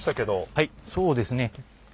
はいそうですね。